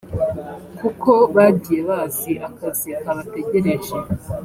kuko bagiye bazi akazi kabategereje